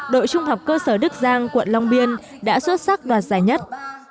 đội trung học cơ sở đức giang quận long biên đã xuất sắc đoạt giải nhất